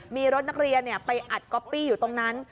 มีรถนักเรียนไปอัดก๊อปปี้อยู่ตรงนั้น